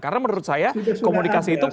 karena menurut saya komunikasi tidak dilakukan